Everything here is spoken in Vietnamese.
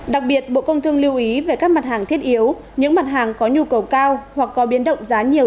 đặc biệt bộ công thương lưu ý về các mặt hàng thiết yếu những mặt hàng có nhu cầu cao hoặc có biến động giá nhiều